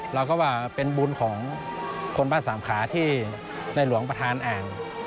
เราก็ว่าเป็นบุญของคนบ้านสามขาที่ในหลวงประธานอ่าน